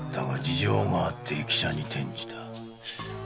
が事情があって易者に転じた。